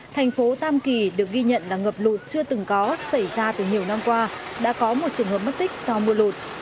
thành phố tam kỳ được ghi nhận là ngập lột chưa từng có xảy ra từ nhiều năm qua đã có một trường hợp mất tích sau mưa lột